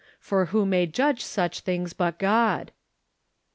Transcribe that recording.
For who may judge such things but God?"